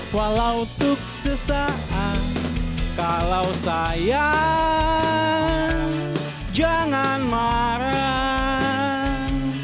walau tuk sesaat kalau saya jangan marah